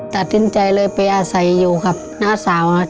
ตัดสินใจเลยไปอาศัยอยู่กับน้าสาวครับ